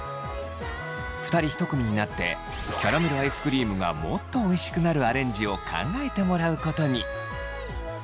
２人１組になってキャラメルアイスクリームがもっとおいしくなるアレンジを考えてもらうことに。